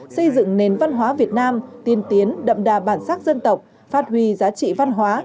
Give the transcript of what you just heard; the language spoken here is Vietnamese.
xây dựng nền văn hóa việt nam tiên tiến đậm đà bản sắc dân tộc phát huy giá trị văn hóa